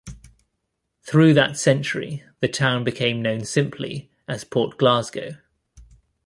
Through that century the town became known simply as Port Glasgow.